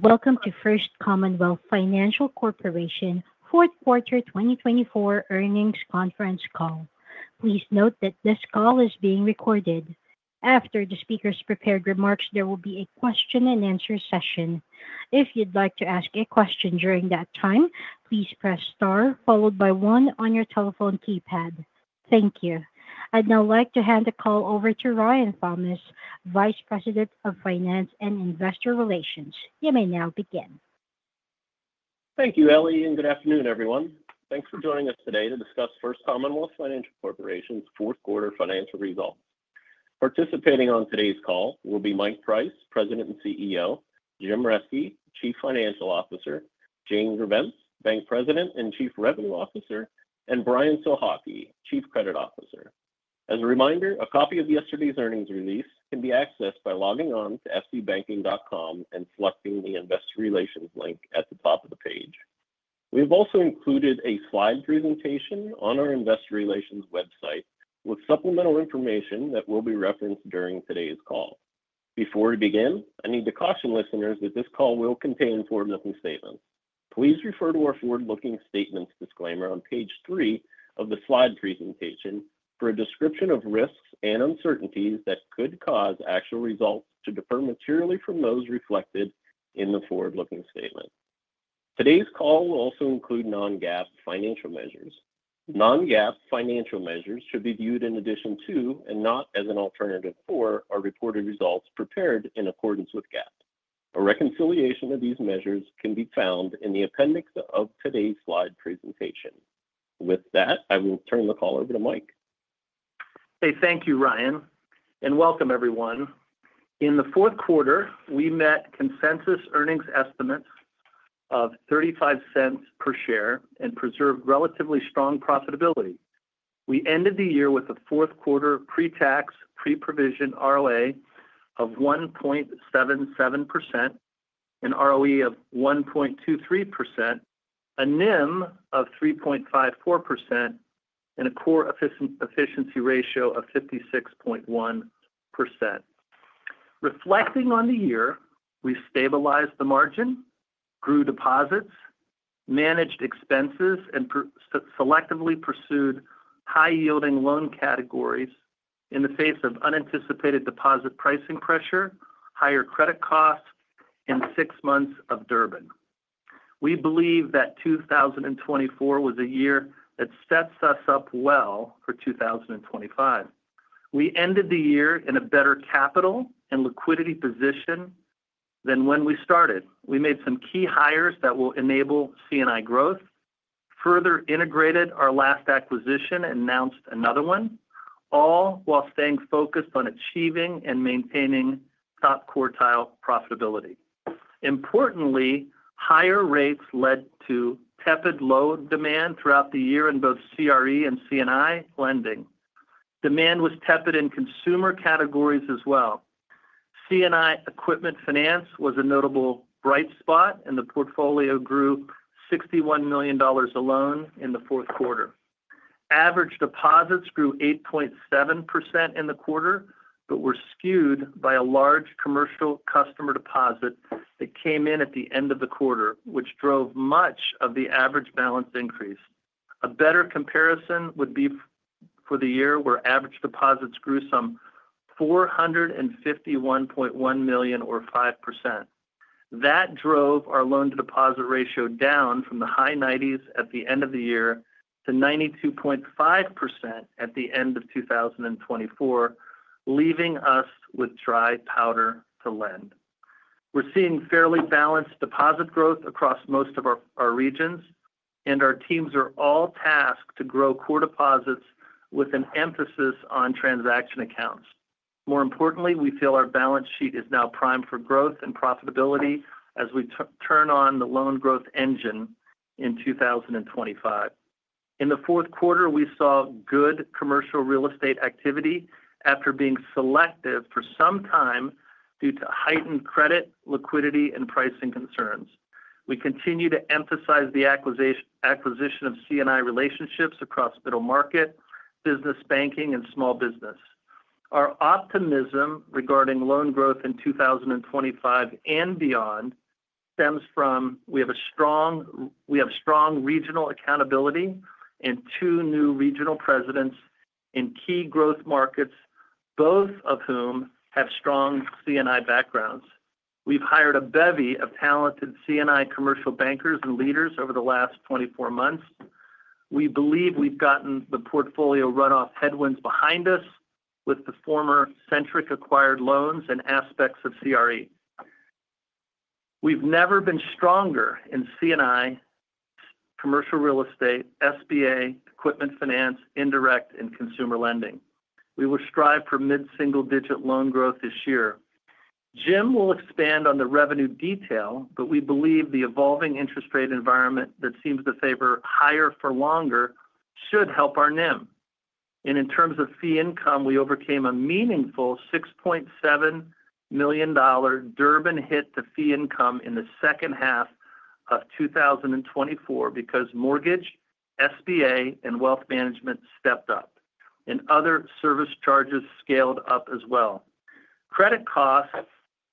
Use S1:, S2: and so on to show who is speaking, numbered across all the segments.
S1: Welcome to First Commonwealth Financial Corporation fourth quarter 2024 earnings conference call. Please note that this call is being recorded. After the speaker's prepared remarks, there will be a question-and-answer session. If you'd like to ask a question during that time, please press star followed by one on your telephone keypad. Thank you. I'd now like to hand the call over to Ryan Thomas, Vice President of Finance and Investor Relations. You may now begin.
S2: Thank you, Ellie, and good afternoon, everyone. Thanks for joining us today to discuss First Commonwealth Financial Corporation's fourth quarter financial results. Participating on today's call will be Mike Price, President and CEO, Jim Reske, Chief Financial Officer, Jane Grebenc, Bank President and Chief Revenue Officer, and Brian Sohocki, Chief Credit Officer. As a reminder, a copy of yesterday's earnings release can be accessed by logging on to fcbanking.com and selecting the Investor Relations link at the top of the page. We have also included a slide presentation on our Investor Relations website with supplemental information that will be referenced during today's call. Before we begin, I need to caution listeners that this call will contain forward-looking statements. Please refer to our forward-looking statements disclaimer on page three of the slide presentation for a description of risks and uncertainties that could cause actual results to differ materially from those reflected in the forward-looking statement. Today's call will also include non-GAAP financial measures. Non-GAAP financial measures should be viewed in addition to, and not as an alternative for, our reported results prepared in accordance with GAAP. A reconciliation of these measures can be found in the appendix of today's slide presentation. With that, I will turn the call over to Mike.
S3: Hey, thank you, Ryan, and welcome, everyone. In the fourth quarter, we met consensus earnings estimates of $0.35 per share and preserved relatively strong profitability. We ended the year with a fourth quarter pre-tax, pre-provision ROA of 1.77%, an ROE of 1.23%, a NIM of 3.54%, and a core efficiency ratio of 56.1%. Reflecting on the year, we stabilized the margin, grew deposits, managed expenses, and selectively pursued high-yielding loan categories in the face of unanticipated deposit pricing pressure, higher credit costs, and six months of Durbin. We believe that 2024 was a year that sets us up well for 2025. We ended the year in a better capital and liquidity position than when we started. We made some key hires that will enable C&I growth, further integrated our last acquisition, and announced another one, all while staying focused on achieving and maintaining top quartile profitability. Importantly, higher rates led to tepid loan demand throughout the year in both CRE and C&I lending. Demand was tepid in consumer categories as well. C&I equipment finance was a notable bright spot, and the portfolio grew $61 million alone in the fourth quarter. Average deposits grew 8.7% in the quarter but were skewed by a large commercial customer deposit that came in at the end of the quarter, which drove much of the average balance increase. A better comparison would be for the year where average deposits grew some $451.1 million, or 5%. That drove our loan-to-deposit ratio down from the high 90s at the end of the year to 92.5% at the end of 2024, leaving us with dry powder to lend. We're seeing fairly balanced deposit growth across most of our regions, and our teams are all tasked to grow core deposits with an emphasis on transaction accounts. More importantly, we feel our balance sheet is now primed for growth and profitability as we turn on the loan growth engine in 2025. In the fourth quarter, we saw good commercial real estate activity after being selective for some time due to heightened credit, liquidity, and pricing concerns. We continue to emphasize the acquisition of C&I relationships across middle market, business banking, and small business. Our optimism regarding loan growth in 2025 and beyond stems from we have a strong regional accountability and two new regional presidents in key growth markets, both of whom have strong C&I backgrounds. We've hired a bevy of talented C&I commercial bankers and leaders over the last 24 months. We believe we've gotten the portfolio runoff headwinds behind us with the former Centric acquired loans and aspects of CRE. We've never been stronger in C&I, commercial real estate, SBA, equipment finance, indirect, and consumer lending. We will strive for mid-single-digit loan growth this year. Jim will expand on the revenue detail, but we believe the evolving interest rate environment that seems to favor higher for longer should help our NIM. In terms of fee income, we overcame a meaningful $6.7 million Durbin hit to fee income in the second half of 2024 because mortgage, SBA, and wealth management stepped up, and other service charges scaled up as well. Credit costs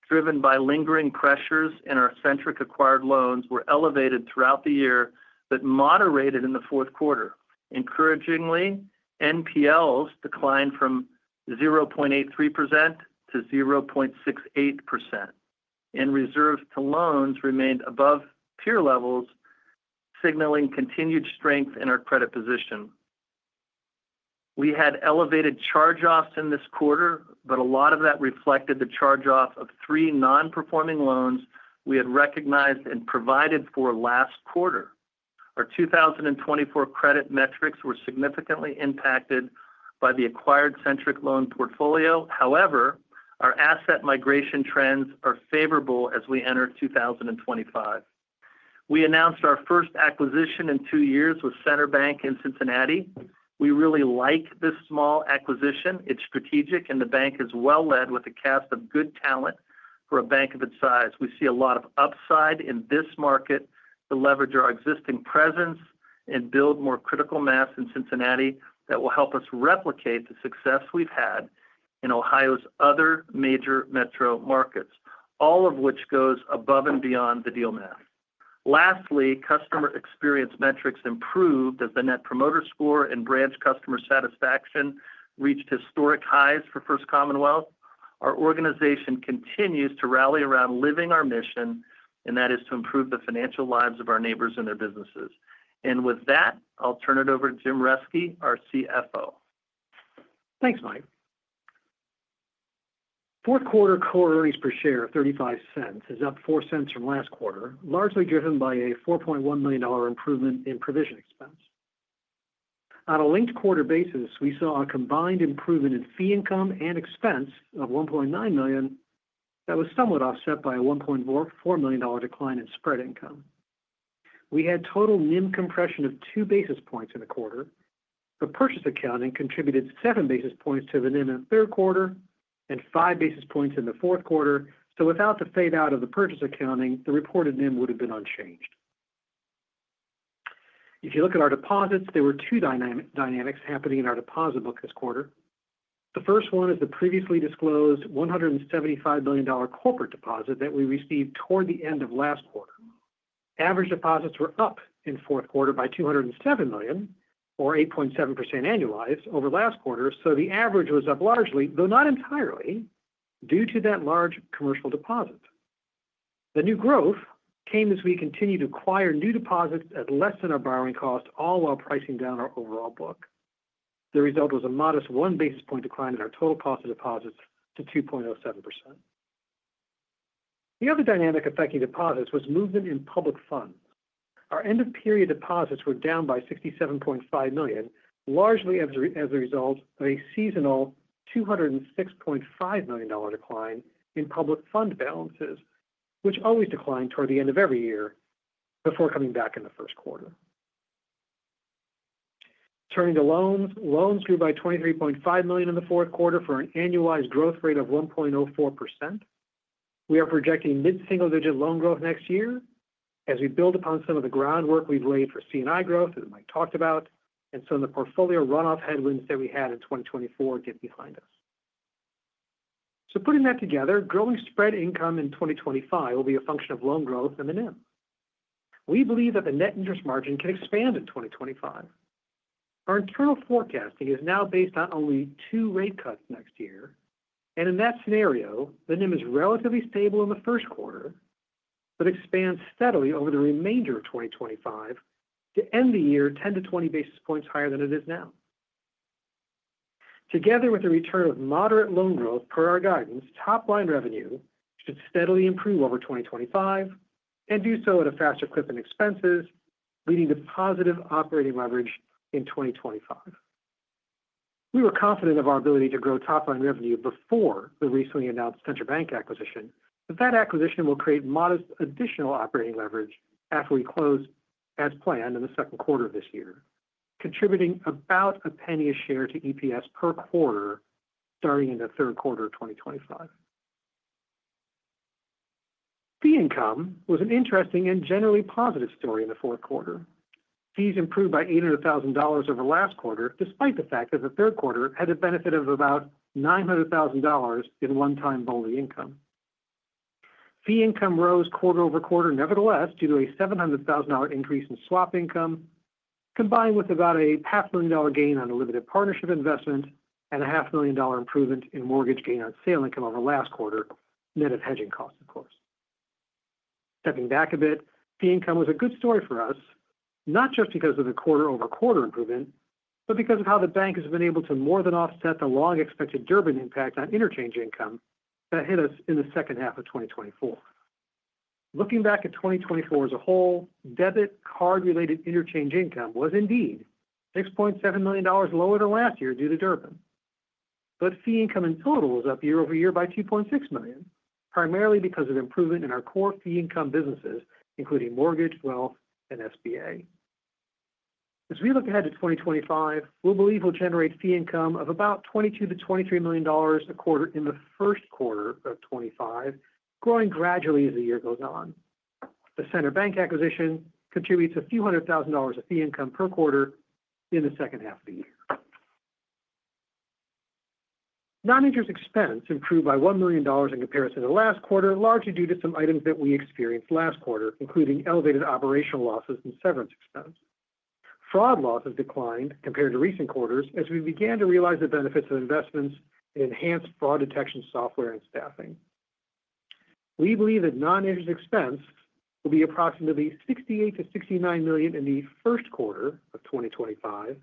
S3: driven by lingering pressures in our Centric acquired loans were elevated throughout the year but moderated in the fourth quarter. Encouragingly, NPLs declined from 0.83%-0.68%, and reserves to loans remained above peer levels, signaling continued strength in our credit position. We had elevated charge-offs in this quarter, but a lot of that reflected the charge-off of three non-performing loans we had recognized and provided for last quarter. Our 2024 credit metrics were significantly impacted by the acquired Centric loan portfolio. However, our asset migration trends are favorable as we enter 2025. We announced our first acquisition in two years with CenterBank in Cincinnati. We really like this small acquisition. It's strategic, and the bank is well led with a cast of good talent for a bank of its size. We see a lot of upside in this market to leverage our existing presence and build more critical mass in Cincinnati that will help us replicate the success we've had in Ohio's other major metro markets, all of which goes above and beyond the deal math. Lastly, customer experience metrics improved as the Net Promoter Score and branch customer satisfaction reached historic highs for First Commonwealth. Our organization continues to rally around living our mission, and that is to improve the financial lives of our neighbors and their businesses, and with that, I'll turn it over to Jim Reske, our CFO.
S4: Thanks, Mike. Fourth quarter core earnings per share of $0.35 is up $0.04 from last quarter, largely driven by a $4.1 million improvement in provision expense. On a linked quarter basis, we saw a combined improvement in fee income and expense of $1.9 million that was somewhat offset by a $1.4 million decline in spread income. We had total NIM compression of two basis points in the quarter. The purchase accounting contributed seven basis points to the NIM in the third quarter and five basis points in the fourth quarter. So without the fade out of the purchase accounting, the reported NIM would have been unchanged. If you look at our deposits, there were two dynamics happening in our deposit book this quarter. The first one is the previously disclosed $175 million corporate deposit that we received toward the end of last quarter. Average deposits were up in fourth quarter by $207 million, or 8.7% annualized, over last quarter. So the average was up largely, though not entirely, due to that large commercial deposit. The new growth came as we continued to acquire new deposits at less than our borrowing cost, all while pricing down our overall book. The result was a modest one basis point decline in our total cost of deposits to 2.07%. The other dynamic affecting deposits was movement in public funds. Our end-of-period deposits were down by $67.5 million, largely as a result of a seasonal $206.5 million decline in public fund balances, which always decline toward the end of every year before coming back in the first quarter. Turning to loans, loans grew by $23.5 million in the fourth quarter for an annualized growth rate of 1.04%. We are projecting mid-single-digit loan growth next year as we build upon some of the groundwork we've laid for C&I growth that Mike talked about and some of the portfolio runoff headwinds that we had in 2024 get behind us. Putting that together, growing spread income in 2025 will be a function of loan growth and the NIM. We believe that the net interest margin can expand in 2025. Our internal forecasting is now based on only two rate cuts next year. In that scenario, the NIM is relatively stable in the first quarter but expands steadily over the remainder of 2025 to end the year 10-20 basis points higher than it is now. Together with the return of moderate loan growth per our guidance, top-line revenue should steadily improve over 2025 and do so at a faster clip in expenses, leading to positive operating leverage in 2025. We were confident of our ability to grow top-line revenue before the recently announced CenterBank acquisition, but that acquisition will create modest additional operating leverage after we close as planned in the second quarter of this year, contributing about $0.01 a share to EPS per quarter starting in the third quarter of 2025. Fee income was an interesting and generally positive story in the fourth quarter. Fees improved by $800,000 over last quarter, despite the fact that the third quarter had the benefit of about $900,000 in one-time BOLI income. Fee income rose quarter-over-quarter nevertheless due to a $700,000 increase in swap income, combined with about a $500,000 gain on a limited partnership investment and a $500,000 improvement in mortgage gain on sale income over last quarter, net of hedging costs, of course. Stepping back a bit, fee income was a good story for us, not just because of the quarter-over-quarter improvement, but because of how the bank has been able to more than offset the long-expected Durbin impact on interchange income that hit us in the second half of 2024. Looking back at 2024 as a whole, debit card-related interchange income was indeed $6.7 million lower than last year due to Durbin. But fee income in total was up year-over-year by $2.6 million, primarily because of improvement in our core fee income businesses, including mortgage, wealth, and SBA. As we look ahead to 2025, we believe we'll generate fee income of about $22 million-$23 million a quarter in the first quarter of 2025, growing gradually as the year goes on. The CenterBank acquisition contributes a few hundred thousand dollars of fee income per quarter in the second half of the year. Non-interest expense improved by $1 million in comparison to last quarter, largely due to some items that we experienced last quarter, including elevated operational losses and severance expense. Fraud losses declined compared to recent quarters as we began to realize the benefits of investments in enhanced fraud detection software and staffing. We believe that non-interest expense will be approximately $68 million-$69 million in the first quarter of 2025,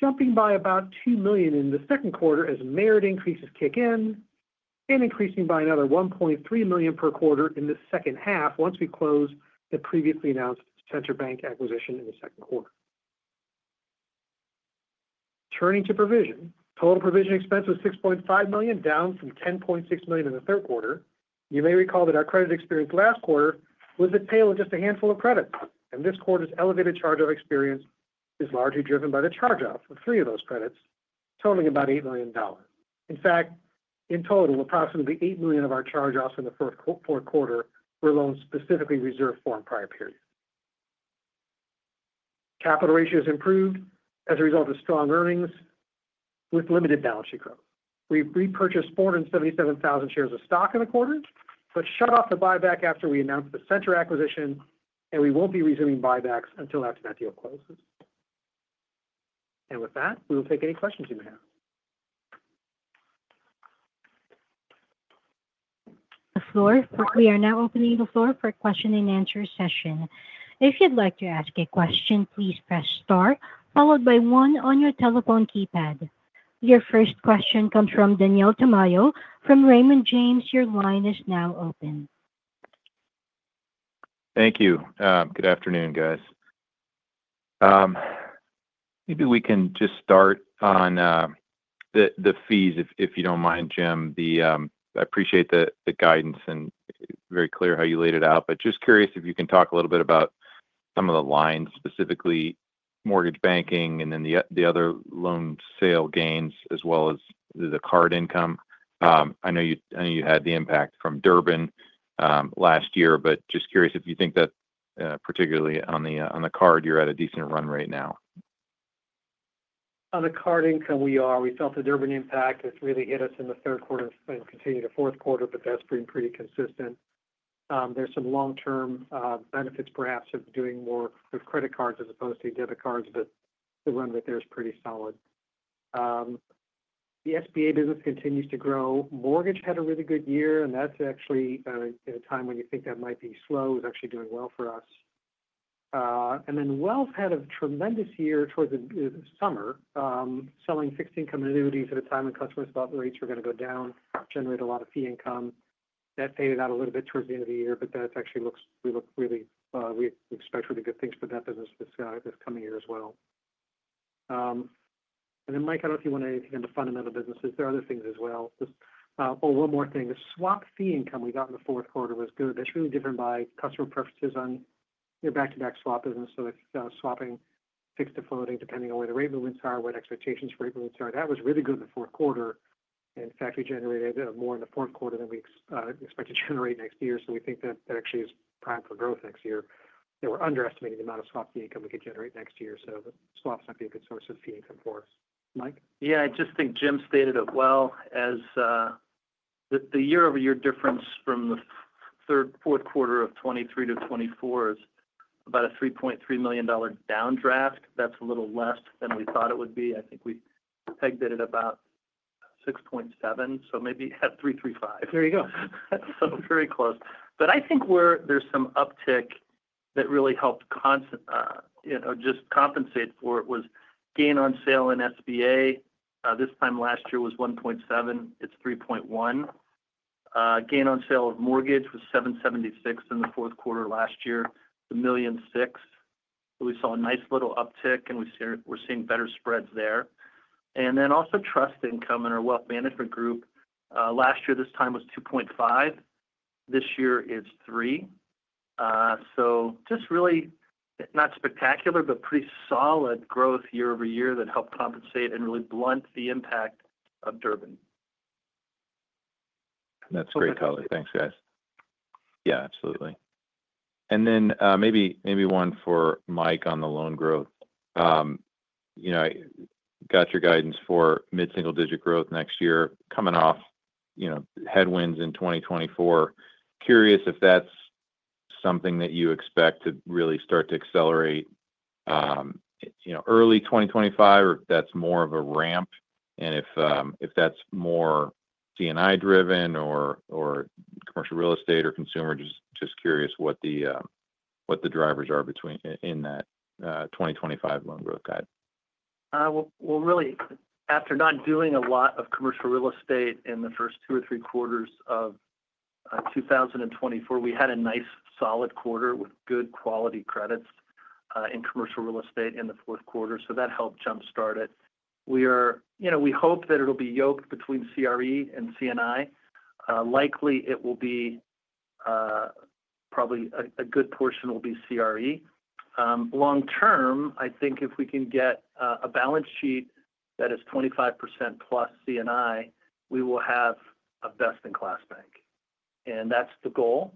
S4: jumping by about $2 million in the second quarter as merit increases kick in and increasing by another $1.3 million per quarter in the second half once we close the previously announced CenterBank acquisition in the second quarter. Turning to provision, total provision expense was $6.5 million, down from $10.6 million in the third quarter. You may recall that our credit experience last quarter was the tale of just a handful of credits, and this quarter's elevated charge-off experience is largely driven by the charge-off of three of those credits, totaling about $8 million. In fact, in total, approximately $8 million of our charge-offs in the fourth quarter were loans specifically reserved for our prior period. Capital ratio has improved as a result of strong earnings with limited balance sheet growth. We've repurchased 477,000 shares of stock in the quarter but shut off the buyback after we announced the CenterBank acquisition, and we won't be resuming buybacks until after that deal closes. And with that, we will take any questions you may have.
S1: The floor. We are now opening the floor for a question-and-answer session. If you'd like to ask a question, please press star, followed by 1 on your telephone keypad. Your first question comes from Daniel Tamayo from Raymond James. Your line is now open.
S5: Thank you. Good afternoon, guys. Maybe we can just start on the fees, if you don't mind, Jim. I appreciate the guidance and very clear how you laid it out, but just curious if you can talk a little bit about some of the lines, specifically mortgage banking and then the other loan sale gains as well as the card income. I know you had the impact from Durbin last year, but just curious if you think that particularly on the card you're at a decent run right now.
S4: On the card income. We felt the Durbin impact has really hit us in the third quarter and continued to fourth quarter, but that's been pretty consistent. There's some long-term benefits, perhaps, of doing more with credit cards as opposed to debit cards, but the run rate there is pretty solid. The SBA business continues to grow. Mortgage had a really good year, and that's actually at a time when you think that might be slow, is actually doing well for us. And then wealth had a tremendous year toward the summer, selling fixed income annuities at a time when customers thought the rates were going to go down, generate a lot of fee income. That faded out a little bit toward the end of the year, but that actually looks like we expect really good things for that business this coming year as well.
S5: And then, Mike, I don't know if you want to dig into fundamental businesses. There are other things as well. Oh, one more thing. The swap fee income we got in the fourth quarter was good. That's really driven by customer preferences on your back-to-back swap business. So it's swapping fixed to floating, depending on where the rate movements are, what expectations for rate movements are. That was really good in the fourth quarter. In fact, we generated more in the fourth quarter than we expect to generate next year. So we think that that actually is prime for growth next year. They were underestimating the amount of swap fee income we could generate next year. So the swaps might be a good source of fee income for us. Mike?
S3: Yeah. I just think Jim stated it well as the year-over-year difference from the third, fourth quarter of 2023-2024 is about a $3.3 million downdraft. That's a little less than we thought it would be. I think we pegged it at about 6.7, so maybe at 3.35.
S4: There you go.
S3: So very close. But I think where there's some uptick that really helped just compensate for it was gain on sale in SBA. This time last year was 1.7. It's 3.1. Gain on sale of mortgage was $776 in the fourth quarter last year, $1.06. So we saw a nice little uptick, and we're seeing better spreads there. And then also trust income in our wealth management group. Last year, this time was 2.5. This year is 3. So just really not spectacular, but pretty solid growth year-over-year that helped compensate and really blunt the impact of Durbin.
S5: That's great color. Thanks, guys. Yeah, absolutely, and then maybe one for Mike on the loan growth. I got your guidance for mid-single-digit growth next year, coming off headwinds in 2024. Curious if that's something that you expect to really start to accelerate early 2025, or if that's more of a ramp, and if that's more C&I-driven or commercial real estate or consumer. Just curious what the drivers are in that 2025 loan growth guide.
S3: Really, after not doing a lot of commercial real estate in the first two or three quarters of 2024, we had a nice solid quarter with good quality credits in commercial real estate in the fourth quarter. So that helped jumpstart it. We hope that it'll be yoked between CRE and C&I. Likely, it will be probably a good portion will be CRE. Long term, I think if we can get a balance sheet that is 25% plus C&I, we will have a best-in-class bank. And that's the goal.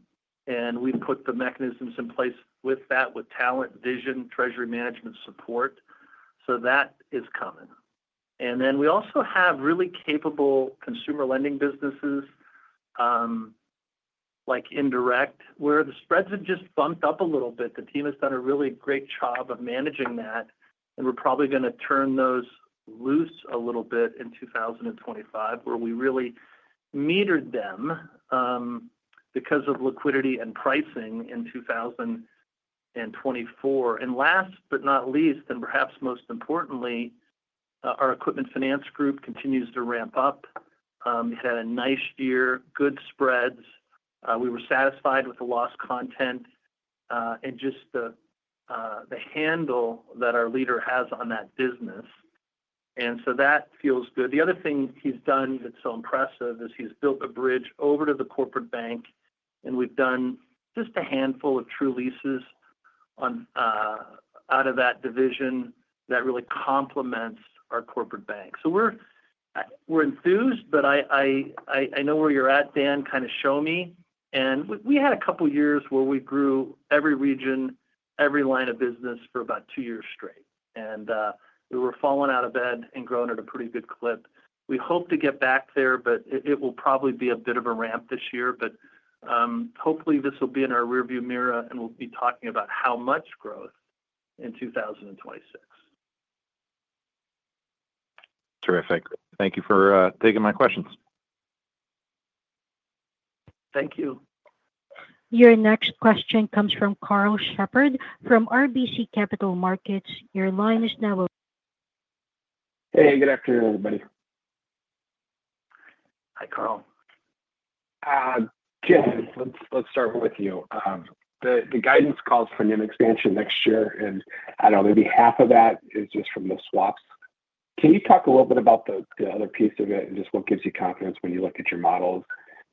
S3: And we've put the mechanisms in place with that, with talent, vision, treasury management support. So that is coming. And then we also have really capable consumer lending businesses like Indirect, where the spreads have just bumped up a little bit. The team has done a really great job of managing that. And we're probably going to turn those loose a little bit in 2025, where we really metered them because of liquidity and pricing in 2024. And last but not least, and perhaps most importantly, our equipment finance group continues to ramp up. It had a nice year, good spreads. We were satisfied with the loss content and just the handle that our leader has on that business. And so that feels good. The other thing he's done that's so impressive is he's built a bridge over to the corporate bank, and we've done just a handful of true leases out of that division that really complements our corporate bank. So we're enthused, but I know where you're at, Dan, kind of show me. And we had a couple of years where we grew every region, every line of business for about two years straight. We were falling out of bed and growing at a pretty good clip. We hope to get back there, but it will probably be a bit of a ramp this year. Hopefully, this will be in our rearview mirror, and we'll be talking about how much growth in 2026.
S5: Terrific. Thank you for taking my questions.
S3: Thank you.
S1: Your next question comes from Karl Shepard from RBC Capital Markets. Your line is now.
S6: Hey, good afternoon, everybody.
S4: Hi, Karl.
S6: Jim, let's start with you. The guidance calls for new expansion next year, and I don't know, maybe half of that is just from the swaps. Can you talk a little bit about the other piece of it and just what gives you confidence when you look at your models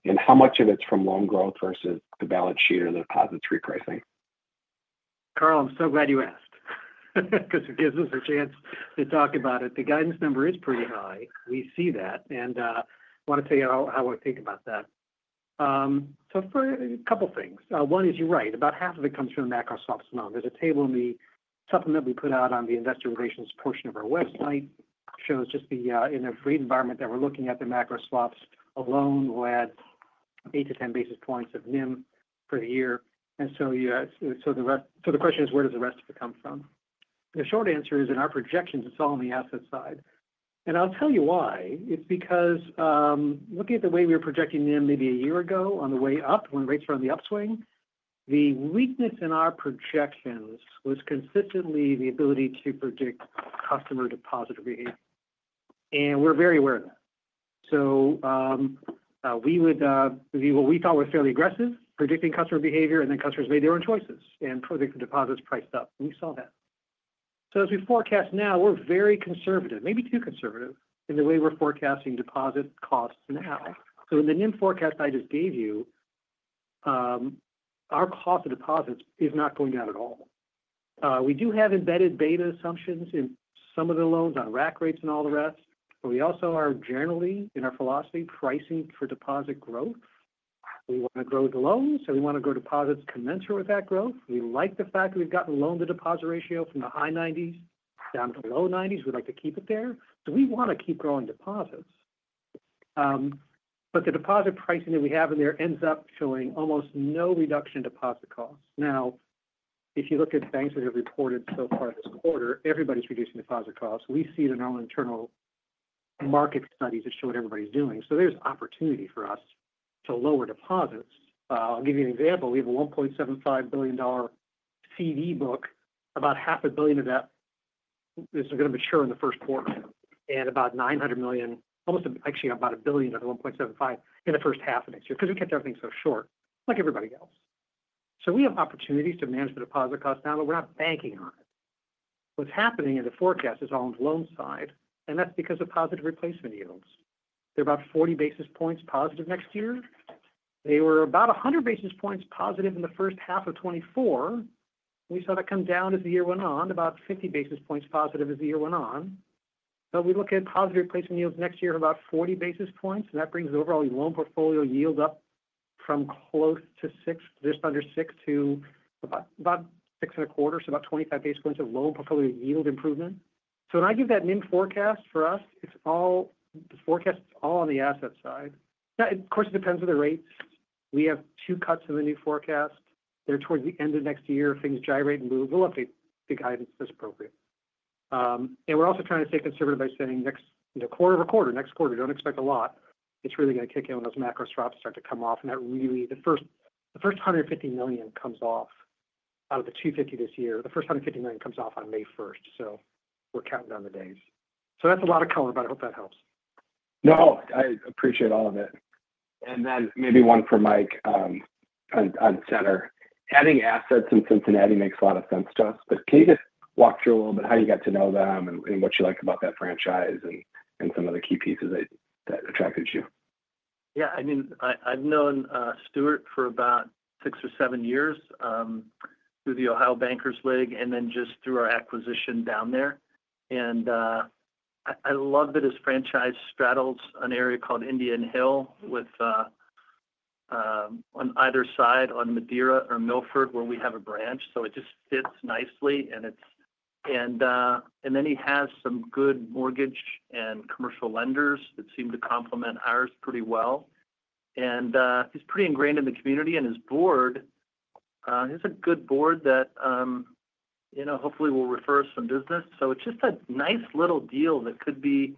S6: and how much of it's from loan growth versus the balance sheet or the positive repricing?
S4: Karl, I'm so glad you asked because it gives us a chance to talk about it. The guidance number is pretty high. We see that. And I want to tell you how I think about that. So for a couple of things. One is you're right. About half of it comes from the macro swaps alone. There's a table in the supplement we put out on the investor relations portion of our website shows just the impact in the current environment that we're looking at the macro swaps alone with 8-10 basis points of NIM for the year. And so the question is, where does the rest of it come from? The short answer is, in our projections, it's all on the asset side. And I'll tell you why. It's because looking at the way we were projecting NIM maybe a year ago on the way up when rates were on the upswing, the weakness in our projections was consistently the ability to predict customer deposit behavior. And we're very aware of that. So we would be what we thought was fairly aggressive, predicting customer behavior, and then customers made their own choices and predicted deposits priced up. We saw that. So as we forecast now, we're very conservative, maybe too conservative in the way we're forecasting deposit costs now. So in the NIM forecast I just gave you, our cost of deposits is not going down at all. We do have embedded beta assumptions in some of the loans on rack rates and all the rest. But we also are generally, in our philosophy, pricing for deposit growth. We want to grow the loans, so we want to grow deposits commensurate with that growth. We like the fact that we've gotten loan-to-deposit ratio from the high 90s down to the low 90s. We'd like to keep it there. So we want to keep growing deposits. But the deposit pricing that we have in there ends up showing almost no reduction in deposit costs. Now, if you look at banks that have reported so far this quarter, everybody's reducing deposit costs. We see it in our own internal market studies that show what everybody's doing. So there's opportunity for us to lower deposits. I'll give you an example. We have a $1.75 billion C&I book. About $500 million of that is going to mature in the first quarter and about $900 million, almost actually about $1 billion of the $1.75 billion in the first half of next year because we kept everything so short, like everybody else. So we have opportunities to manage the deposit costs now, but we're not banking on it. What's happening in the forecast is on the loan side, and that's because of positive replacement yields. They're about 40 basis points positive next year. They were about 100 basis points positive in the first half of 2024. We saw that come down as the year went on, about 50 basis points positive as the year went on. But we look at positive replacement yields next year of about 40 basis points, and that brings the overall loan portfolio yield up from close to 6, just under 6 to about 6 and a quarter, so about 25 basis points of loan portfolio yield improvement. So when I give that NIM forecast for us, the forecast is all on the asset side. Of course, it depends on the rates. We have two cuts in the new forecast. They're towards the end of next year. If things gyrate and move, we'll update the guidance as appropriate. And we're also trying to stay conservative by saying next quarter or quarter, next quarter, don't expect a lot. It's really going to kick in when those macro swaps start to come off. And that really, the first $150 million comes off out of the $250 million this year. The first $150 million comes off on May 1st. So we're counting down the days. So that's a lot of color, but I hope that helps.
S6: No, I appreciate all of it. And then maybe one for Mike on CenterBank. Adding assets in Cincinnati makes a lot of sense to us. But can you just walk through a little bit how you got to know them and what you like about that franchise and some of the key pieces that attracted you?
S3: Yeah. I mean, I've known Stuart for about six or seven years through the Ohio Bankers League and then just through our acquisition down there. And I love that his franchise straddles an area called Indian Hill on either side on Madeira or Milford, where we have a branch. So it just fits nicely. And then he has some good mortgage and commercial lenders that seem to complement ours pretty well. And he's pretty ingrained in the community. And his board, he has a good board that hopefully will refer us some business. So it's just a nice little deal that could be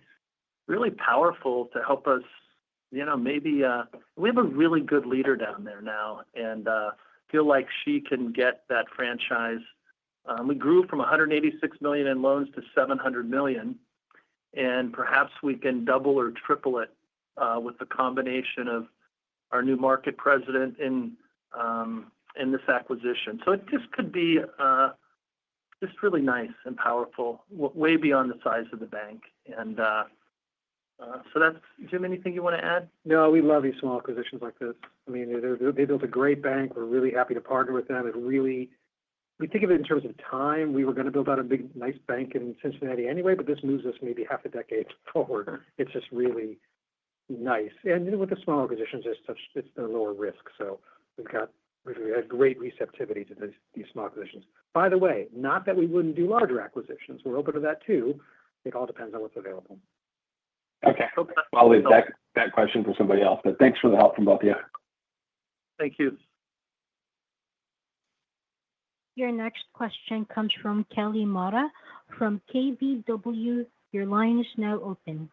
S3: really powerful to help us maybe. We have a really good leader down there now, and I feel like she can get that franchise. We grew from $186 million in loans to $700 million. And perhaps we can double or triple it with the combination of our new market president in this acquisition. So it just could be just really nice and powerful, way beyond the size of the bank. And so that's Jim. Anything you want to add?
S4: No, we love these small acquisitions like this. I mean, they built a great bank. We're really happy to partner with them. We think of it in terms of time. We were going to build out a big nice bank in Cincinnati anyway, but this moves us maybe half a decade forward. It's just really nice. And with the small acquisitions, it's been a lower risk. So we've had great receptivity to these small acquisitions. By the way, not that we wouldn't do larger acquisitions. We're open to that too. It all depends on what's available.
S6: Okay. I'll leave that question for somebody else. But thanks for the help from both of you.
S4: Thank you.
S1: Your next question comes from Kelly Motta from KBW. Your line is now open.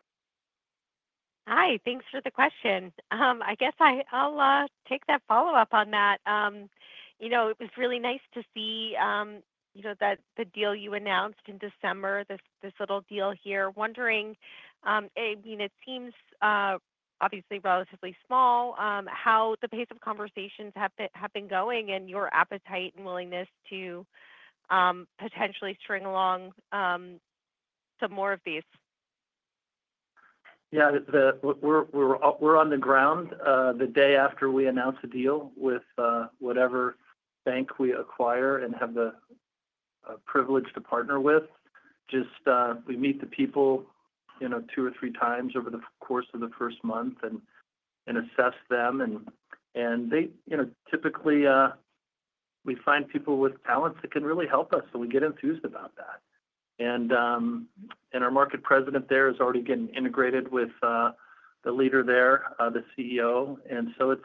S7: Hi. Thanks for the question. I guess I'll take that follow-up on that. It was really nice to see the deal you announced in December, this little deal here. Wondering, I mean, it seems obviously relatively small, how the pace of conversations have been going and your appetite and willingness to potentially string along some more of these.
S3: Yeah. We're on the ground the day after we announce a deal with whatever bank we acquire and have the privilege to partner with. Just we meet the people two or three times over the course of the first month and assess them. And typically, we find people with talents that can really help us. So we get enthused about that. And our market president there is already getting integrated with the leader there, the CEO. And so it's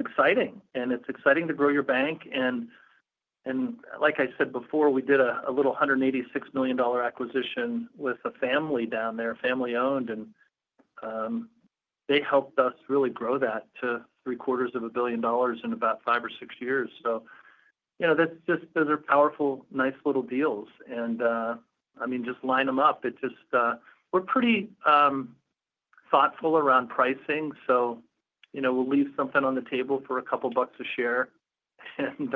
S3: exciting. And it's exciting to grow your bank. And like I said before, we did a little $186 million acquisition with a family down there, family-owned. And they helped us really grow that to $750 million in about five or six years. So those are powerful, nice little deals. And I mean, just line them up. We're pretty thoughtful around pricing. So we'll leave something on the table for a couple of bucks a share and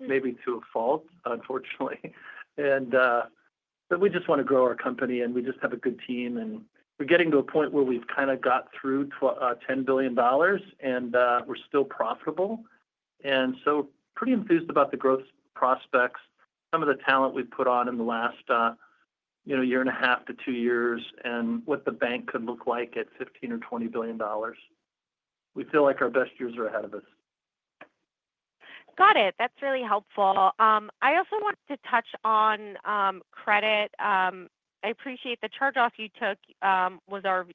S3: maybe to a fault, unfortunately. But we just want to grow our company, and we just have a good team. And we're getting to a point where we've kind of got through $10 billion, and we're still profitable. And so pretty enthused about the growth prospects, some of the talent we've put on in the last year and a half to two years, and what the bank could look like at $15 million-$20 billion. We feel like our best years are ahead of us.
S7: Got it. That's really helpful. I also wanted to touch on credit. I appreciate the charge-off you took was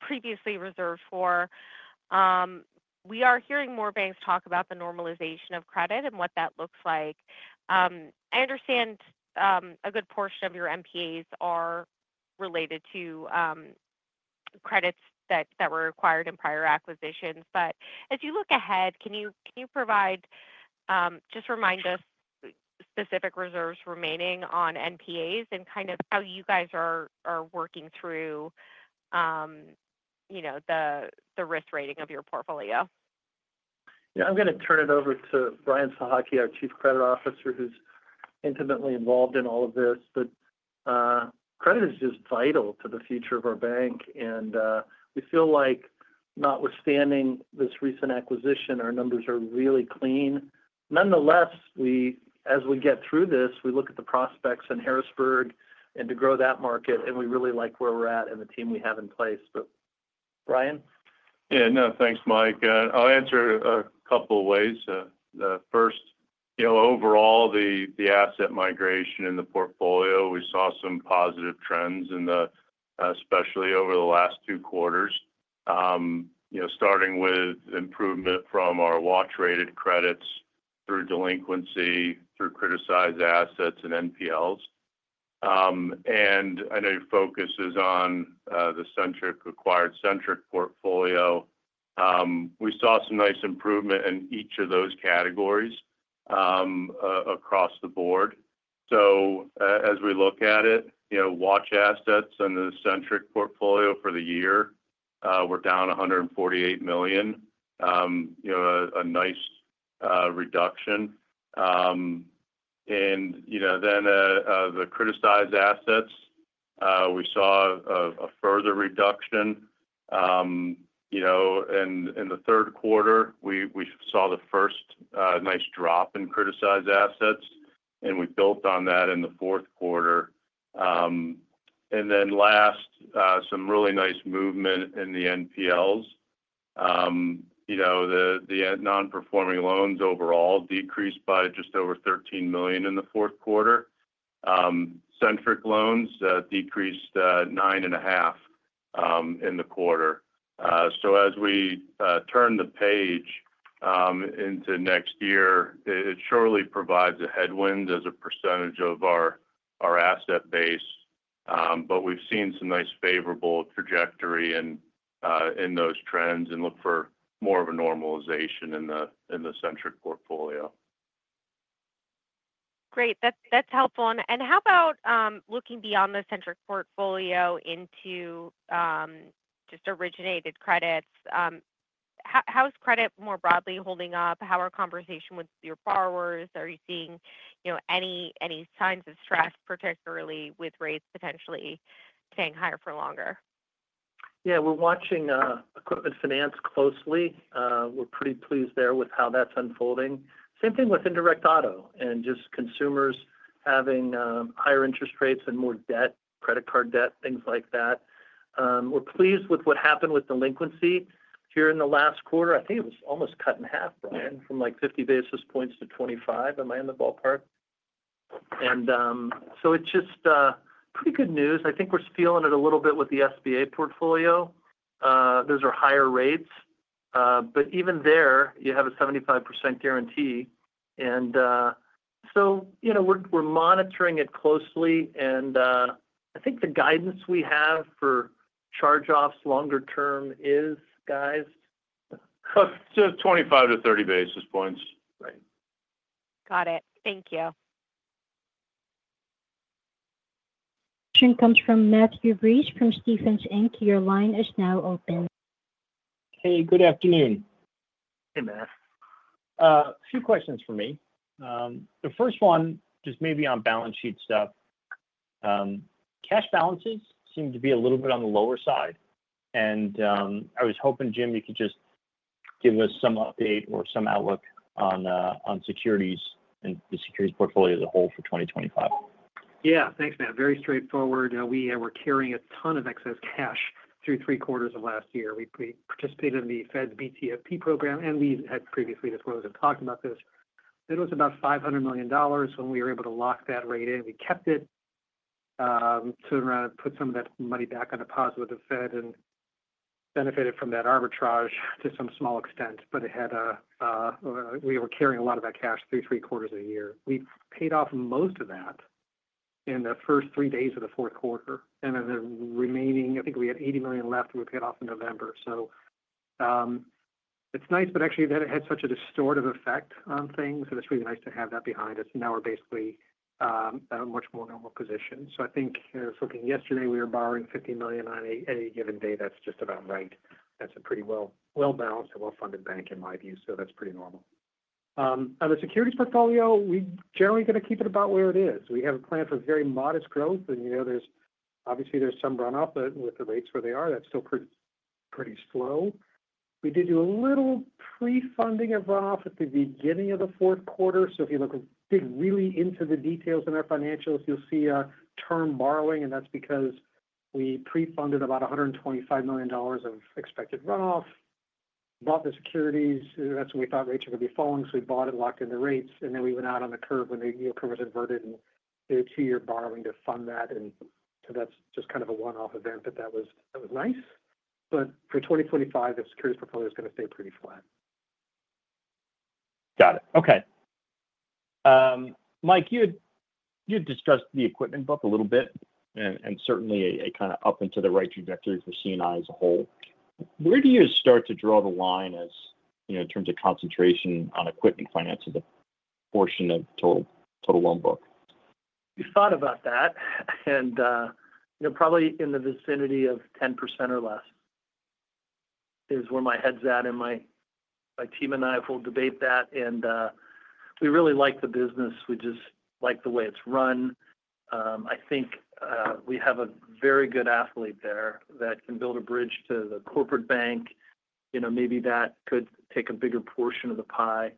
S7: previously reserved for. We are hearing more banks talk about the normalization of credit and what that looks like. I understand a good portion of your MPAs are related to credits that were acquired in prior acquisitions. But as you look ahead, can you provide just remind us specific reserves remaining on NPAs and kind of how you guys are working through the risk rating of your portfolio?
S3: Yeah. I'm going to turn it over to Brian Sohocki, our Chief Credit Officer, who's intimately involved in all of this. But credit is just vital to the future of our bank. And we feel like notwithstanding this recent acquisition, our numbers are really clean. Nonetheless, as we get through this, we look at the prospects in Harrisburg and to grow that market. And we really like where we're at and the team we have in place. But Brian?
S8: Yeah. No, thanks, Mike. I'll answer a couple of ways. First, overall, the asset migration in the portfolio, we saw some positive trends, especially over the last two quarters, starting with improvement from our watch-rated credits through delinquency, through criticized assets and NPLs, and I know your focus is on the acquired Centric portfolio. We saw some nice improvement in each of those categories across the board. So as we look at it, watch assets under the Centric portfolio for the year, we're down $148 million, a nice reduction, and then the criticized assets, we saw a further reduction. In the third quarter, we saw the first nice drop in criticized assets, and we built on that in the fourth quarter, and then last, some really nice movement in the NPLs. The non-performing loans overall decreased by just over $13 million in the fourth quarter. Centric loans decreased 9.5% in the quarter. So as we turn the page into next year, it surely provides a headwind as a percentage of our asset base. But we've seen some nice favorable trajectory in those trends and look for more of a normalization in the Centric portfolio.
S7: Great. That's helpful. And how about looking beyond the Centric portfolio into just originated credits? How is credit more broadly holding up? How are conversations with your borrowers? Are you seeing any signs of stress, particularly with rates potentially staying higher for longer?
S3: Yeah. We're watching equipment finance closely. We're pretty pleased there with how that's unfolding. Same thing with indirect auto and just consumers having higher interest rates and more debt, credit card debt, things like that. We're pleased with what happened with delinquency here in the last quarter. I think it was almost cut in half, Brian, from like 50 basis points to 25. Am I in the ballpark? And so it's just pretty good news. I think we're feeling it a little bit with the SBA portfolio. Those are higher rates. But even there, you have a 75% guarantee. And so we're monitoring it closely. And I think the guidance we have for charge-offs longer term is, guys?
S8: Just 25-30 basis points.
S3: Right.
S7: Got it. Thank you.
S1: Question comes from Matthew Breese from Stephens Inc. Your line is now open.
S9: Hey, good afternoon. Hey, Mike. A few questions for me. The first one, just maybe on balance sheet stuff. Cash balances seem to be a little bit on the lower side. And I was hoping, Jim, you could just give us some update or some outlook on securities and the securities portfolio as a whole for 2025.
S3: Yeah. Thanks, Matt. Very straightforward. We were carrying a ton of excess cash through three quarters of last year. We participated in the Fed's BTFP program, and we had previously disclosed and talked about this. It was about $500 million when we were able to lock that rate in. We kept it to put some of that money back on deposit with the Fed and benefited from that arbitrage to some small extent. But we were carrying a lot of that cash through three quarters of the year. We paid off most of that in the first three days of the fourth quarter. And then the remaining, I think we had $80 million left that we paid off in November. So it's nice, but actually, that had such a distorted effect on things. So it's really nice to have that behind us. And now we're basically at a much more normal position. So I think looking yesterday, we were borrowing $50 million on a given day. That's just about right. That's a pretty well-balanced and well-funded bank, in my view. So that's pretty normal. On the securities portfolio, we're generally going to keep it about where it is. We have a plan for very modest growth. And obviously, there's some runoff, but with the rates where they are, that's still pretty slow. We did do a little pre-funding of runoff at the beginning of the fourth quarter. So if you look really into the details in our financials, you'll see term borrowing. And that's because we pre-funded about $125 million of expected runoff, bought the securities. That's when we thought rates were going to be falling. So we bought it, locked in the rates. And then we went out on the curve when the yield curve was inverted and did a two-year borrowing to fund that. And so that's just kind of a one-off event, but that was nice. But for 2025, the securities portfolio is going to stay pretty flat.
S9: Got it. Okay. Mike, you had discussed the equipment book a little bit and certainly a kind of up and to the right trajectory for C&I as a whole. Where do you start to draw the line in terms of concentration on equipment finance as a portion of total loan book?
S3: We thought about that. And probably in the vicinity of 10% or less is where my head's at. And my team and I will debate that. And we really like the business. We just like the way it's run. I think we have a very good athlete there that can build a bridge to the corporate bank. Maybe that could take a bigger portion of the pie.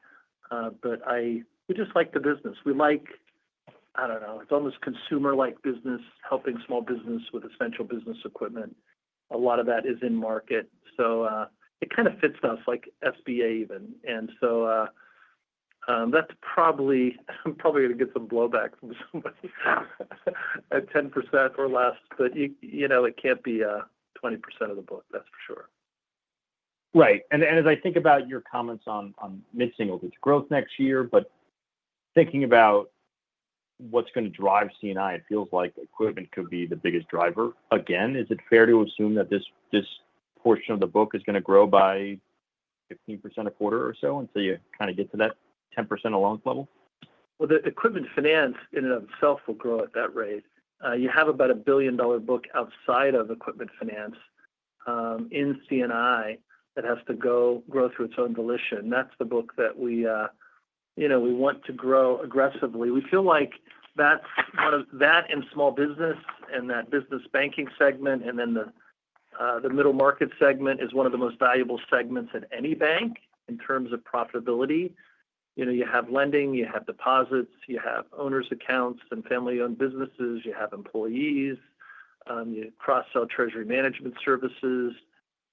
S3: But we just like the business. We like, I don't know, it's almost consumer-like business, helping small business with essential business equipment. A lot of that is in market. So it kind of fits us like SBA even. And so that's probably. I'm probably going to get some blowback from somebody at 10% or less. But it can't be 20% of the book, that's for sure.
S9: Right. And as I think about your comments on mixing over the growth next year, but thinking about what's going to drive C&I, it feels like equipment could be the biggest driver again. Is it fair to assume that this portion of the book is going to grow by 15% a quarter or so until you kind of get to that 10% loan level?
S3: The equipment finance in and of itself will grow at that rate. You have about a $1 billion book outside of equipment finance in C&I that has to grow through its own volition. That's the book that we want to grow aggressively. We feel like that and small business and that business banking segment and then the middle market segment is one of the most valuable segments at any bank in terms of profitability. You have lending, you have deposits, you have owner's accounts and family-owned businesses, you have employees, you cross-sell treasury management services.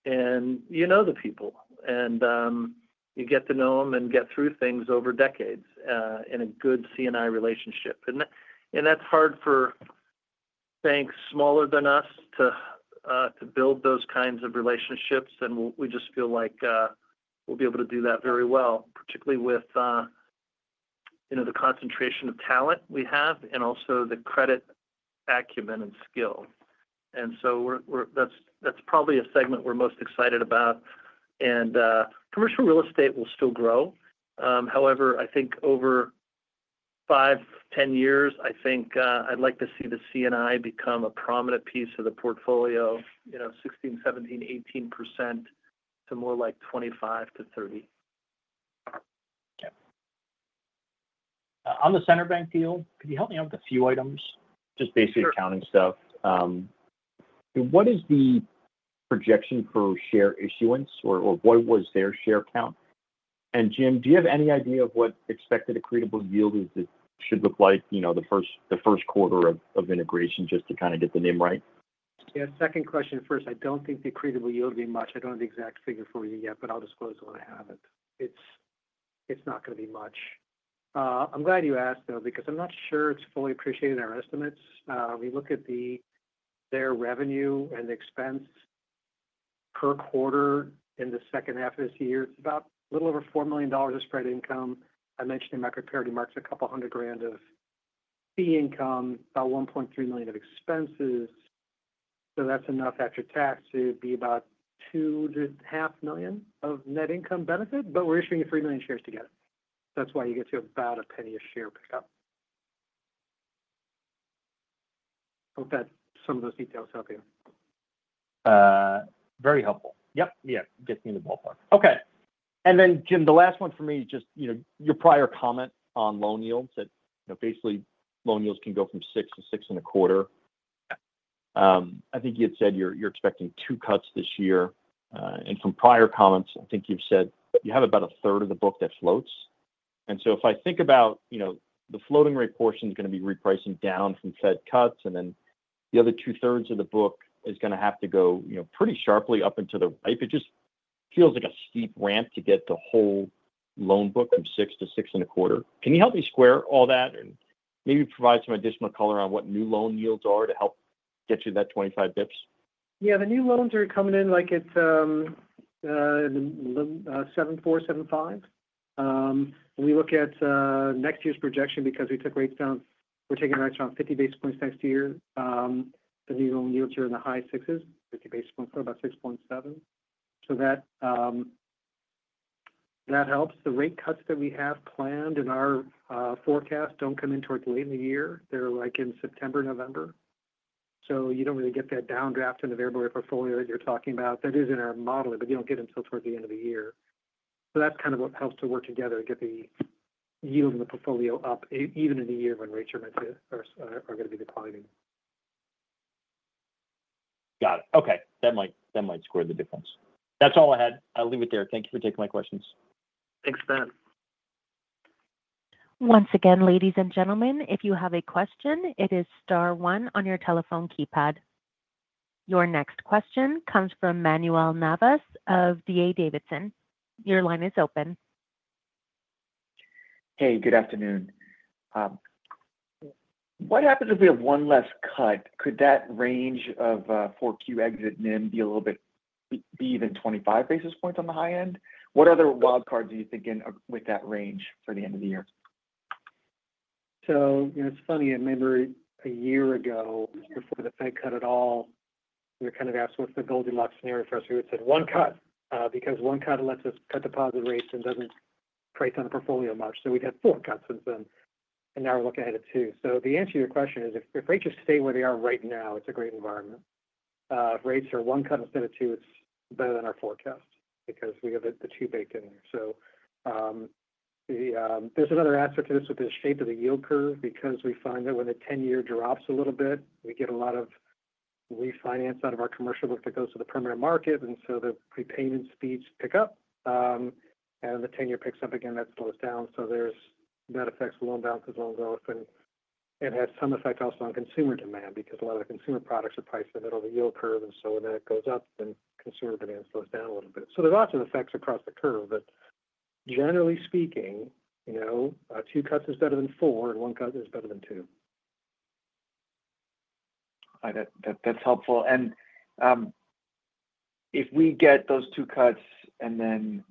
S3: You know the people. You get to know them and get through things over decades in a good C&I relationship. That's hard for banks smaller than us to build those kinds of relationships. And we just feel like we'll be able to do that very well, particularly with the concentration of talent we have and also the credit acumen and skill. And so that's probably a segment we're most excited about. And commercial real estate will still grow. However, I think over five, 10 years, I think I'd like to see the C&I become a prominent piece of the portfolio, 16%-18% to more like 25%-30%.
S9: Okay. On the CenterBank deal, could you help me out with a few items, just basic accounting stuff? What is the projection for share issuance, or what was their share count? And Jim, do you have any idea of what expected accretable yield should look like the first quarter of integration just to kind of get the name right?
S4: Yeah. Second question first. I don't think the accretable yield will be much. I don't have the exact figure for you yet, but I'll disclose when I have it. It's not going to be much. I'm glad you asked, though, because I'm not sure it's fully appreciated in our estimates. We look at their revenue and expense per quarter in the second half of this year. It's about a little over $4 million of spread income. I mentioned in my comparative marks, a couple hundred grand of fee income, about $1.3 million of expenses. So that's enough after tax to be about $2.5 million of net income benefit. But we're issuing 3 million shares together. That's why you get to about a penny a share pickup. Hope that some of those details help you.
S9: Very helpful. Yep. Yeah. Get me in the ballpark. Okay. And then, Jim, the last one for me is just your prior comment on loan yields that basically loan yields can go from 6%-6.25%. I think you had said you're expecting two cuts this year. And from prior comments, I think you've said you have about a third of the book that floats. And so if I think about the floating rate portion is going to be repricing down from Fed cuts, and then the other two-thirds of the book is going to have to go pretty sharply up and to the right. It just feels like a steep ramp to get the whole loan book from 6%-6.25%. Can you help me square all that and maybe provide some additional color on what new loan yields are to help get you to that 25 basis points?
S4: Yeah. The new loans are coming in like at 7.4, 7.5. We look at next year's projection because we took rates down. We're taking rates down 50 basis points next year. The new loan yields are in the high 6s, 50 basis points for about 6.7. So that helps. The rate cuts that we have planned in our forecast don't come in towards the late in the year. They're like in September, November. So you don't really get that downdraft in the variable rate portfolio that you're talking about. That is in our modeling, but you don't get it until towards the end of the year. So that's kind of what helps to work together to get the yield in the portfolio up, even in the year when rates are going to be declining.
S9: Got it. Okay. That might square the difference. That's all I had. I'll leave it there. Thank you for taking my questions.
S4: Thanks, Matt.
S1: Once again, ladies and gentlemen, if you have a question, it is star one on your telephone keypad. Your next question comes from Manuel Navas of D.A. Davidson. Your line is open.
S10: Hey, good afternoon. What happens if we have one less cut? Could that range of 4Q exit NIM be a little bit even 25 basis points on the high end? What other wildcards are you thinking with that range for the end of the year?
S3: So it's funny. I remember a year ago, before the Fed cut it all, we were kind of asked what's the Goldilocks scenario for us. We would say one cut because one cut lets us cut deposit rates and doesn't price on the portfolio much. So we've had four cuts since then. And now we're looking ahead at two. So the answer to your question is, if rates just stay where they are right now, it's a great environment. If rates are one cut instead of two, it's better than our forecast because we have the two baked in there. So there's another aspect to this with the shape of the yield curve because we find that when the 10-year drops a little bit, we get a lot of refinance out of our commercial book that goes to the primary market. And so the prepayment speeds pick up. And then the 10-year picks up again. That slows down. So that affects loan balances, loan growth, and it has some effect also on consumer demand because a lot of the consumer products are priced in the middle of the yield curve. And so when that goes up, then consumer demand slows down a little bit. So there's lots of effects across the curve. But generally speaking, two cuts is better than four, and one cut is better than two.
S10: That's helpful. And if we get those two cuts and then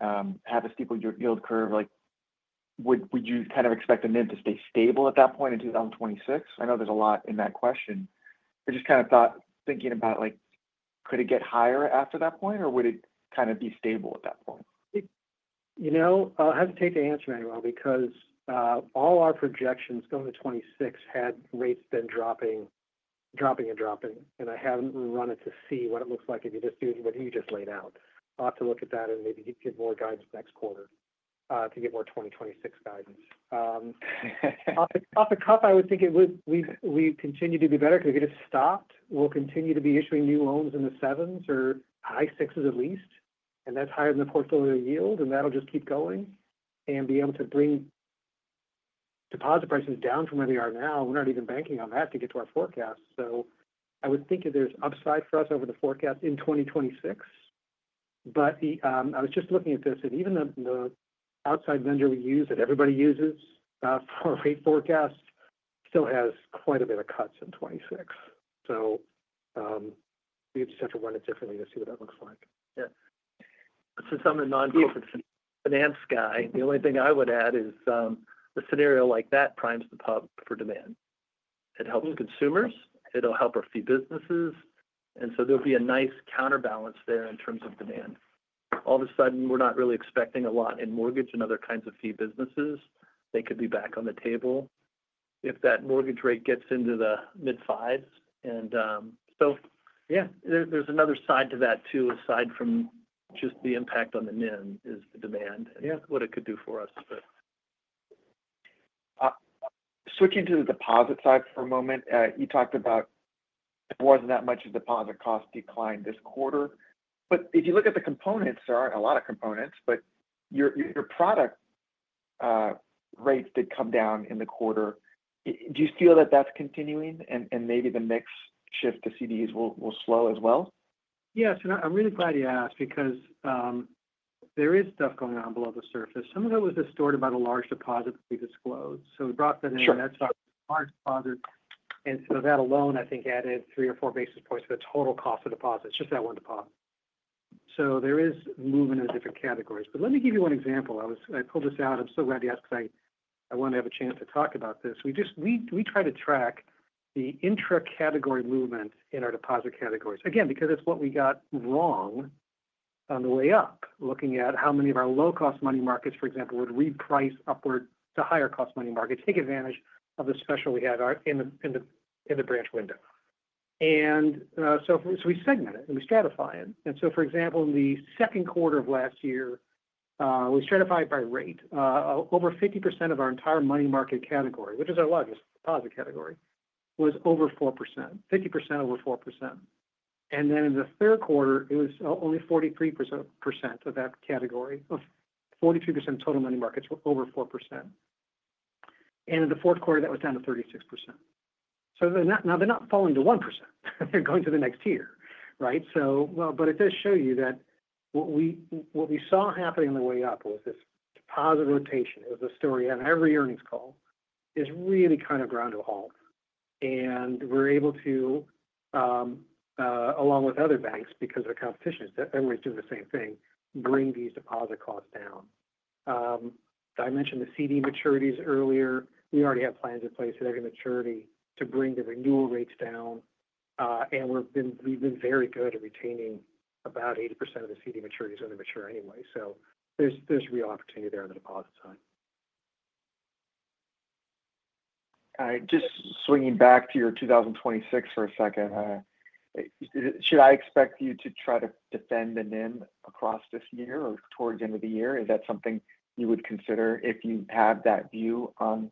S10: have a steeper yield curve, would you kind of expect the NIM to stay stable at that point in 2026? I know there's a lot in that question. I just kind of thought, thinking about, could it get higher after that point? Or would it kind of be stable at that point?
S3: I'll hesitate to answer in any way because all our projections going to 2026 had rates been dropping and dropping. I haven't run it to see what it looks like if you just do what you just laid out. I'll have to look at that and maybe get more guidance next quarter to get more 2026 guidance. Off the cuff, I would think it would continue to be better because if it just stopped, we'll continue to be issuing new loans in the sevens or high sixes at least. And that's higher than the portfolio yield. And that'll just keep going and be able to bring deposit prices down from where they are now. We're not even banking on that to get to our forecast. So I would think that there's upside for us over the forecast in 2026. But I was just looking at this. Even the outside vendor we use that everybody uses for rate forecasts still has quite a bit of cuts in 2026. We just have to run it differently to see what that looks like. Yeah. Since I'm a non-financial finance guy, the only thing I would add is a scenario like that primes the pump for demand. It helps consumers. It'll help a few businesses. And so there'll be a nice counterbalance there in terms of demand. All of a sudden, we're not really expecting a lot in mortgage and other kinds of fee businesses. They could be back on the table if that mortgage rate gets into the mid-fives. And so yeah, there's another side to that too, aside from just the impact on the NIM: the demand and what it could do for us. Switching to the deposit side for a moment, you talked about there wasn't that much of deposit cost decline this quarter. But if you look at the components, there aren't a lot of components, but your product rates did come down in the quarter.
S10: Do you feel that that's continuing? And maybe the mix shift to CDs will slow as well?
S3: Yes, and I'm really glad you asked because there is stuff going on below the surface. Some of it was distorted by the large deposit that we disclosed, so we brought that in. That's our large deposit, and so that alone, I think, added three or four basis points to the total cost of deposits, just that one deposit, so there is movement in different categories, but let me give you one example. I pulled this out. I'm so glad you asked because I wanted to have a chance to talk about this. We try to track the intra-category movement in our deposit categories, again, because it's what we got wrong on the way up, looking at how many of our low-cost money markets, for example, would reprice upward to higher-cost money markets, take advantage of the special we had in the branch window. And so we segment it and we stratify it. And so, for example, in the second quarter of last year, we stratified by rate. Over 50% of our entire money market category, which is our largest deposit category, was over 4%, 50% over 4%. And then in the third quarter, it was only 43% of that category. 43% of total money markets were over 4%. And in the fourth quarter, that was down to 36%. So now they're not falling to 1%. They're going to the next year, right? But it does show you that what we saw happening on the way up was this deposit rotation. It was the story on every earnings call is really kind of ground to a halt. And we're able to, along with other banks because of the competition, everybody's doing the same thing, bring these deposit costs down. I mentioned the CD maturities earlier. We already have plans in place at every maturity to bring the renewal rates down. And we've been very good at retaining about 80% of the CD maturities when they mature anyway. So there's real opportunity there on the deposit side.
S10: All right. Just swinging back to your 2026 for a second. Should I expect you to try to defend the NIM across this year or towards the end of the year? Is that something you would consider if you have that view on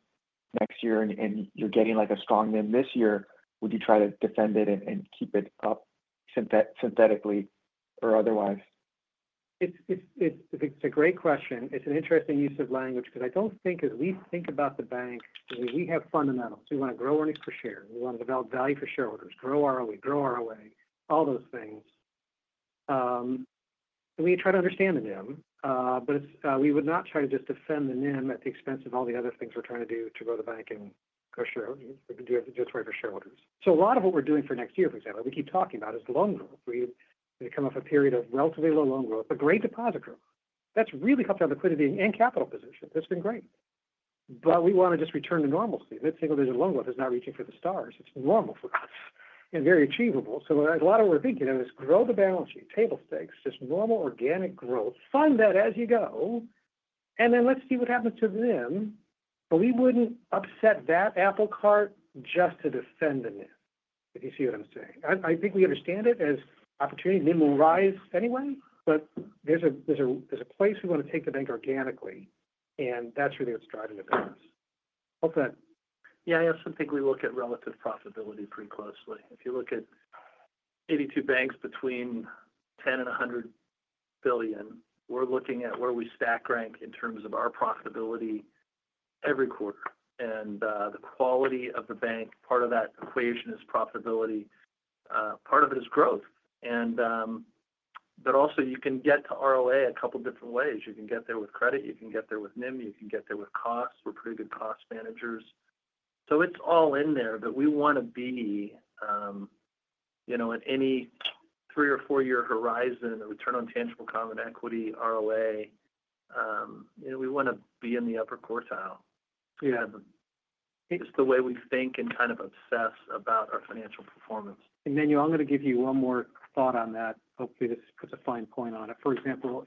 S10: next year and you're getting a strong NIM this year? Would you try to defend it and keep it up synthetically or otherwise?
S3: It's a great question. It's an interesting use of language because I don't think, as we think about the bank, we have fundamentals. We want to grow earnings per share. We want to develop value for shareholders, grow ROE, grow ROA, all those things. And we try to understand the NIM. But we would not try to just defend the NIM at the expense of all the other things we're trying to do to grow the bank and grow shareholders, just right for shareholders. So a lot of what we're doing for next year, for example, we keep talking about is loan growth. We come off a period of relatively low loan growth, but great deposit growth. That's really helped our liquidity and capital position. That's been great. But we want to just return to normalcy. Let's say there's a loan growth that's not reaching for the stars. It's normal for us and very achievable, so a lot of what we're thinking of is grow the balance sheet, table stakes, just normal organic growth. Fund that as you go and then let's see what happens to the NIM, but we wouldn't upset that apple cart just to defend the NIM, if you see what I'm saying. I think we understand it as opportunity. NIM will rise anyway, but there's a place we want to take the bank organically and that's really what's driving the business. Hope that.
S10: Yeah. I also think we look at relative profitability pretty closely. If you look at 82 banks between 10 and 100 billion, we're looking at where we stack rank in terms of our profitability every quarter. And the quality of the bank, part of that equation is profitability. Part of it is growth. But also, you can get to ROA a couple of different ways. You can get there with credit. You can get there with NIM. You can get there with costs. We're pretty good cost managers. So it's all in there. But we want to be in any three or four-year horizon, return on tangible common equity, ROA, we want to be in the upper quartile. It's the way we think and kind of obsess about our financial performance.
S3: Manuel, I'm going to give you one more thought on that. Hopefully, this puts a fine point on it. For example,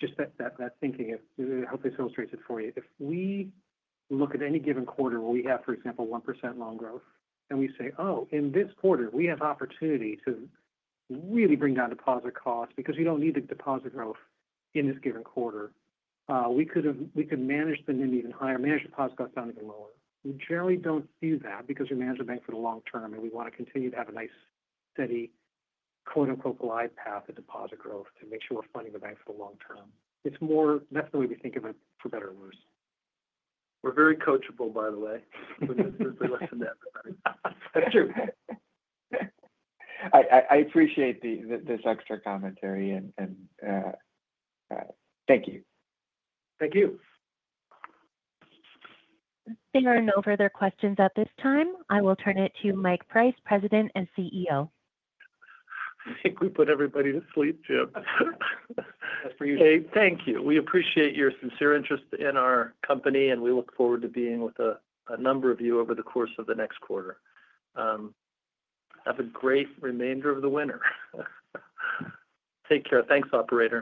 S3: just that thinking, hopefully, this illustrates it for you. If we look at any given quarter where we have, for example, 1% loan growth, and we say, "Oh, in this quarter, we have opportunity to really bring down deposit costs because we don't need the deposit growth in this given quarter." We could manage the NIM even higher, manage deposit costs down even lower. We generally don't do that because we manage the bank for the long term. And we want to continue to have a nice, steady, "glide path" of deposit growth to make sure we're funding the bank for the long term. That's the way we think of it for better or worse.
S10: We're very coachable, by the way. We listen to everybody.
S3: That's true.
S10: I appreciate this extra commentary, and thank you.
S3: Thank you.
S1: There are no further questions at this time. I will turn it to Mike Price, President and CEO.
S3: I think we put everybody to sleep, Jim.
S4: That's for you.
S3: Thank you. We appreciate your sincere interest in our company, and we look forward to being with a number of you over the course of the next quarter. Have a great remainder of the winter. Take care. Thanks, operator.